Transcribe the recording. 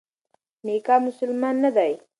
میکا مسلمان نه دی.